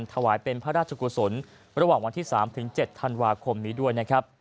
ถวายเป็นพระราชกุศลระหว่างวัน๓๗ธันวาคมนี้ด้วย